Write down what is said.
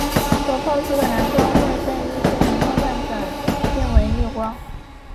所放出的蓝光会被绿色荧光蛋白转变为绿光。